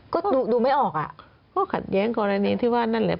ก็ดูไม่ออกอ่ะก็ขัดแย้งกรณีที่ว่านั่นแหละ